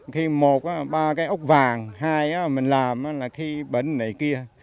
khi một ba cái ốc vàng hai mình làm là khi bệnh này kia